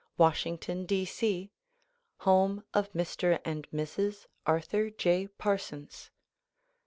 Washirigton, D. C. Home of Mr. and Mrs. Arthur J. Parsons.